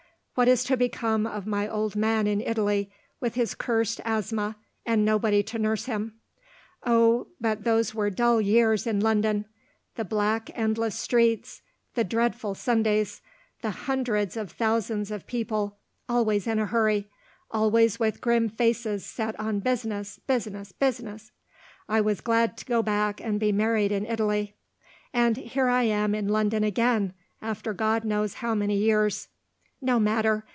What is to become of my old man in Italy, with his cursed asthma, and nobody to nurse him? Oh, but those were dull years in London! The black endless streets the dreadful Sundays the hundreds of thousands of people, always in a hurry; always with grim faces set on business, business, business! I was glad to go back and be married in Italy. And here I am in London again, after God knows how many years. No matter.